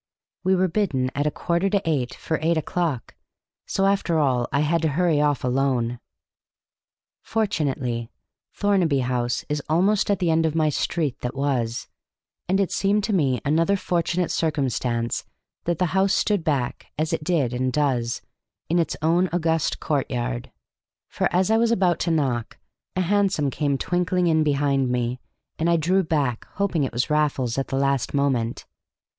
We were bidden at a quarter to eight for eight o'clock, so after all I had to hurry off alone. Fortunately, Thornaby House is almost at the end of my street that was; and it seemed to me another fortunate circumstance that the house stood back, as it did and does, in its own august courtyard; for, as I was about to knock, a hansom came twinkling in behind me, and I drew back, hoping it was Raffles at the last moment.